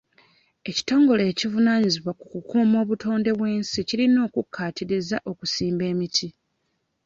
Ekitongole ekivunaanyizibwa ku kukuuma obutonde bw'ensi kirina okukkaatiriza okusimba emiti.